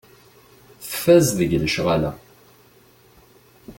Tfaz deg lecɣal-a.